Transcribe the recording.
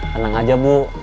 tenang aja bu